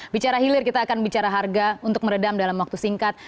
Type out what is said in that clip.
bicara hilir kita akan bicara harga untuk meredam dalam waktu singkat